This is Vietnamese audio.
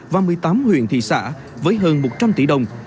và một mươi tám huyện thị xã với hơn một trăm linh tỷ đồng